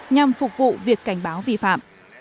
nhằm phục vụ việc cảnh báo vi phạm